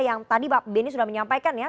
yang tadi pak benny sudah menyampaikan ya